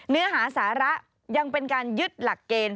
เนื้อหาสาระยังเป็นการยึดหลักเกณฑ์